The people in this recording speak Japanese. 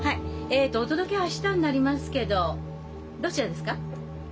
えっとお届けは明日になりますけどどちらですか？